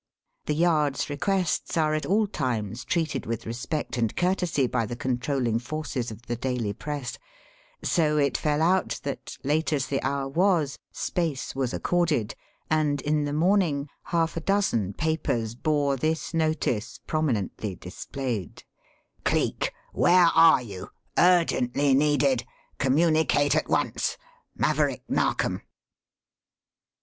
The Yard's requests are at all times treated with respect and courtesy by the controlling forces of the daily press, so it fell out that, late as the hour was, "space" was accorded, and, in the morning, half a dozen papers bore this notice prominently displayed: "CLEEK Where are you? Urgently needed. Communicate at once. _Maverick Narkom.